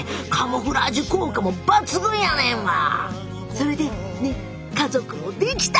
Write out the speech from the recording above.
それでね家族も出来た！